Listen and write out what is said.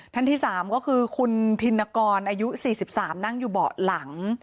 ท่านที่๓ก็คือคุณธินกรอายุ๔๓นั่งอยู่เบาะหลัง